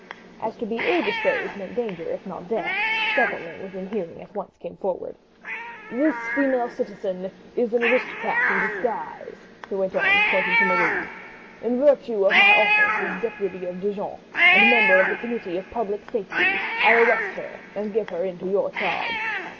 As to be ill disposed meant danger if not death, several men within hearing at once came forward. "This female citizen is an aristocrat in disguise," he went on, pointing to Marie; "in virtue of my office as deputy of Dijon and member of the Committee of Public Safety, I arrest her and give her into your charge.